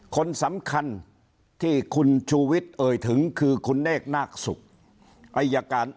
คนสำคัญที่คุณชูวิทย์เอ่ยถึงคือคุณเนคนนาคศุกร์อายการ